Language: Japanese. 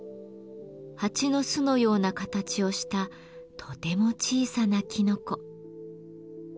ハチの巣のような形をしたとても小さなきのこ。